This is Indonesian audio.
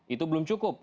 itu belum cukup